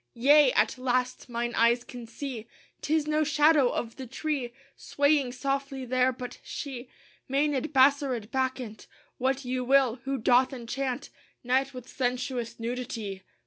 Yea! at last mine eyes can see! 'Tis no shadow of the tree Swaying softly there, but she! Mænad, Bassarid, Bacchant, What you will, who doth enchant Night with sensuous nudity.